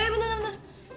eh bentar bentar